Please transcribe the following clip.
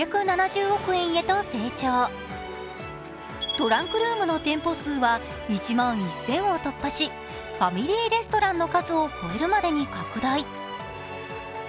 トランクルームの店舗数は１万１０００を突破し、ファミリーレストランの数を超えるまでに拡大。